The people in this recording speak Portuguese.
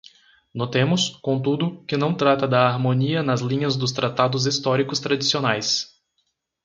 Notemos, contudo, que não trata da harmonia na linha dos tratados históricos tradicionais.